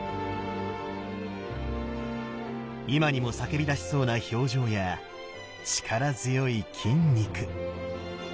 今にも叫びだしそうな表情や力強い筋肉。